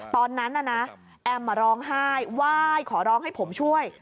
ตอนนั้นน่ะนะแอมร้องไห้ไหว้ขอร้องให้ผมช่วย